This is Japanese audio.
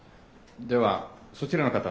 ではそちらの方。